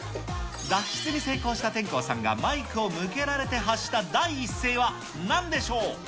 脱出に成功した天功さんがマイクを向けられて発した第一声はなんでしょう。